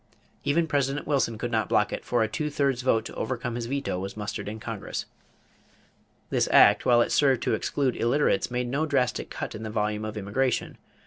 Even President Wilson could not block it, for a two thirds vote to overcome his veto was mustered in Congress. This act, while it served to exclude illiterates, made no drastic cut in the volume of immigration.